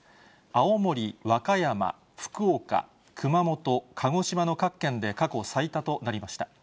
青森、和歌山、福岡、熊本、鹿児島の各県で、過去最多となりました。